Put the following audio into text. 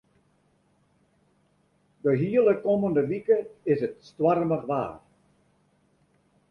De hiele kommende wike is it stoarmich waar.